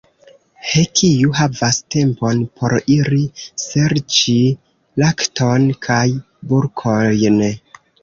He, kiu havas tempon, por iri serĉi lakton kaj bulkojn!